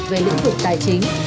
về lĩnh vực tài chính